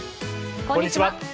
こんにちは。